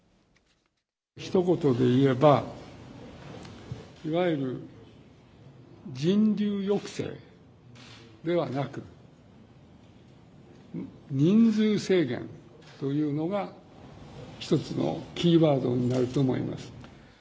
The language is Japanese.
ひと言でいえば、いわゆる人流抑制ではなく、人数制限というのが一つのキーワードになると思います。